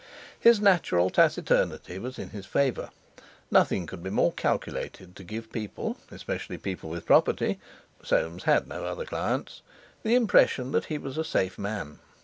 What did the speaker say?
His natural taciturnity was in his favour; nothing could be more calculated to give people, especially people with property (Soames had no other clients), the impression that he was a safe man.